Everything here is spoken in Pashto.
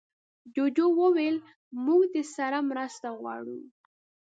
جوجو وویل موږ دې سره مرسته غواړو.